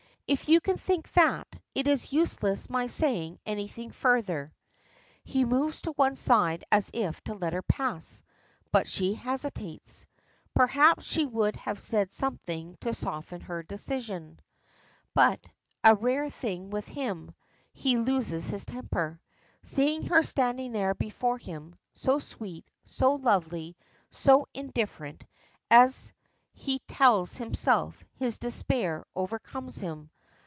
"If you can think that, it is useless my saying anything further." He moves to one side as if to let her pass, but she hesitates. Perhaps she would have said something to soften her decision but a rare thing with him, he loses his temper. Seeing her standing there before him, so sweet, so lovely, so indifferent, as he tells himself, his despair overcomes him.